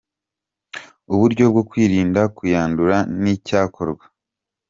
uburyo bwo kwirinda kuyandura n’icyakorwa